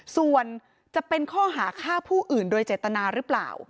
ส่วนจะเป็นข้อหาฆ่าผู้อื่นโดยเจตนาหรือเปล่า